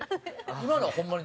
今のはホンマに？